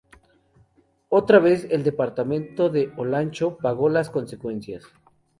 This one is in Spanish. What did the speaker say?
Otra vez el departamento de Olancho pagó las consecuencias.